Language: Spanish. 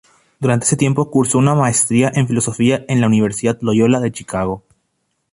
Durante ese tiempo cursó una Maestría en Filosofía en la Universidad Loyola de Chicago.